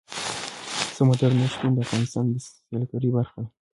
سمندر نه شتون د افغانستان د سیلګرۍ برخه ده.